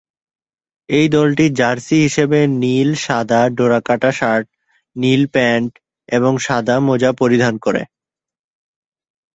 এই দলটি জার্সি হিসেবে নীল-সাদা ডোরাকাটা শার্ট, নীল প্যান্ট এবং সাদা মোজা পরিধান করে।